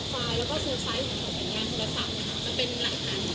จะเป็นหลักฐานอย่างที่สุดครับว่า